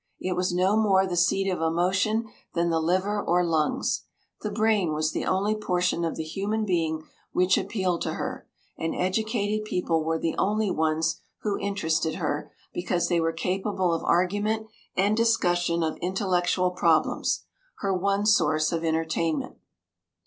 It was no more the seat of emotion than the liver or lungs. The brain was the only portion of the human being which appealed to her, and "educated" people were the only ones who interested her, because they were capable of argument and discussion of intellectual problems her one source of entertainment.